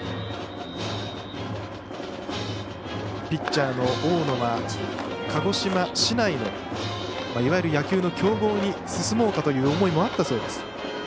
ピッチャーの大野は鹿児島市内のいわゆる野球の強豪に進もうかという思いもあったそうです。